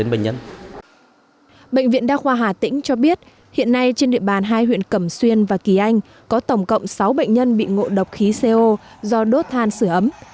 bệnh nhân nguyễn tiến tình bốn mươi năm tuổi quê ở xã kỳ anh có tổng cộng sáu bệnh nhân bị ngộ độc khí co do đốt than sửa ấm